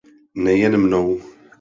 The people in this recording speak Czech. Nejen mnou.